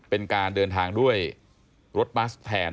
เป็นการเดินทางด้วยรถบัสแทน